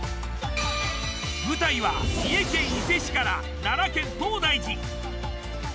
舞台は三重県伊勢市から奈良県東大寺。